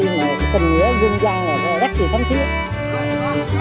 tình nghĩa dung dăng là rất là thấm thiết